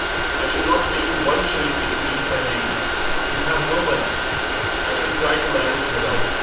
"I shall not pay you one shilling if you leave my baby. You have no money." "I shall try to manage without.